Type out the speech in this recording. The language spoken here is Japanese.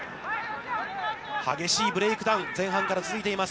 激しいブレイクダウン、前半から続いています。